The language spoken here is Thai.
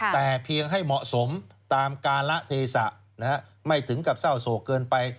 แต่เพียงให้เหมาะสมตามการละเทศะไม่ถึงกับเศร้าโศกเกินไป